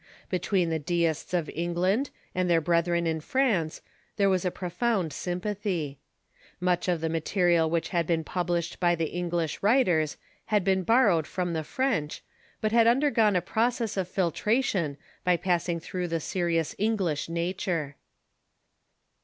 Between the Deists of England and their brethren in France there was a profound sympathy. Much of the material which had been published by the P^nglish writers had been borrowed from the French, but had undergone a process of filtration by passing through the serious English nature.